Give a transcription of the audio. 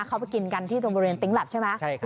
เขาไปกินกันที่ตรงบริเวณติ๊งแล็ปใช่ไหม